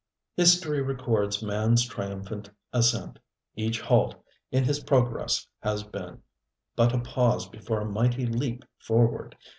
History records manŌĆÖs triumphant ascent. Each halt in his progress has been but a pause before a mighty leap forward.